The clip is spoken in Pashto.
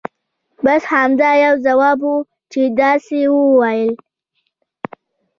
بس همدا یو ځواب وو چې داسې یې ویل.